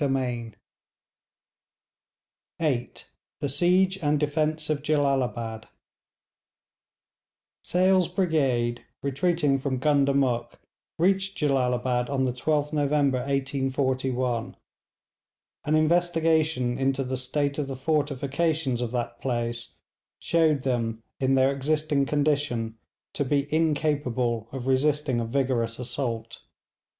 CHAPTER VIII: THE SIEGE AND DEFENCE OF JELLALABAD Sale's brigade, retreating from Gundamuk, reached Jellalabad on the 12th November 1841. An investigation into the state of the fortifications of that place showed them, in their existing condition, to be incapable of resisting a vigorous assault.